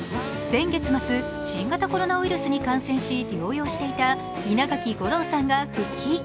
先月末、新型コロナウイルスに感染し療養していた稲垣吾郎さんが復帰。